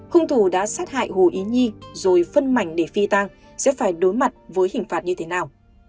hung thủ đã sát hại hồ ý nhi rồi phân mảnh để phi tang sẽ phải đối mặt với hình phạt như thế nào